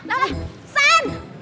lah lah san